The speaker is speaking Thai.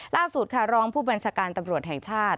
ล่าสุดค่ะรองผู้บัญชาการตำรวจแห่งชาติ